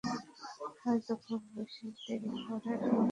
হয়তো খুব বেশি দেরি করে ফেলেছি।